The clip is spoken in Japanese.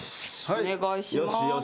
お願いします。